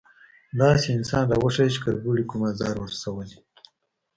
_داسې انسان راوښيه چې کربوړي کوم ازار ور رسولی وي؟